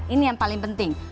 ini yang paling penting